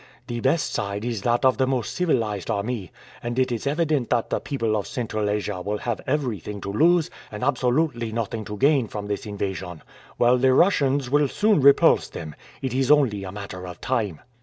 The best side is that of the most civilized army, and it is evident that the people of Central Asia will have everything to lose and absolutely nothing to gain from this invasion, while the Russians will soon repulse them. It is only a matter of time."